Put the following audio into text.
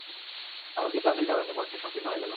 এমনকি তাদের কারণে পথটি সংকীর্ণ হয়ে গেল।